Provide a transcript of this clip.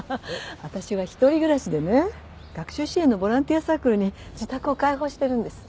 私は一人暮らしでね学習支援のボランティアサークルに自宅を開放してるんです。